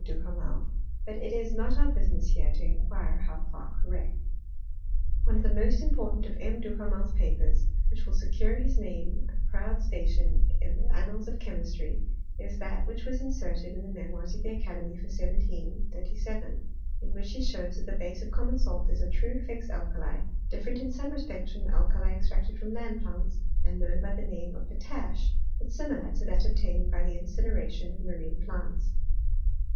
Duhamel ; but it is not our businiess here to inquire how far correct. One of the most important of M. Duhamel's papers, which will secure his name a proud station in the annals of chemistry, is that which was inserted in the Memoirs of the Academy for 1737, in which he shows that the base of common salt is a true fixed alkali, different in some respects from the alkali ex tracted from land plants, and known by the name of potash^ but similar to that obtained by the incinera tion of marine plants.